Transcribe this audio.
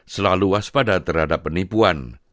selalu waspada terhadap penipuan